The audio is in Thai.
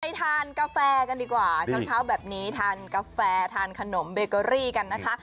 ทานกาแฟกันดีกว่าเช้าเช้าแบบนี้ทานกาแฟทานขนมเบเกอรี่กันนะคะ